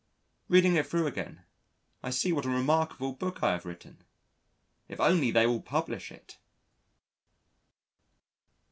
Reading it through again, I see what a remarkable book I have written. If only they will publish it!